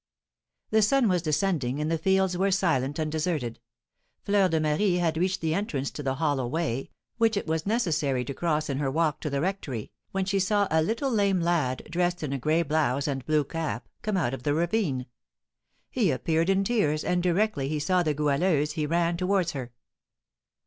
The sun was descending, and the fields were silent and deserted. Fleur de Marie had reached the entrance to the hollow way, which it was necessary to cross in her walk to the rectory, when she saw a little lame lad, dressed in a gray blouse and blue cap, come out of the ravine. He appeared in tears, and directly he saw the Goualeuse he ran towards her.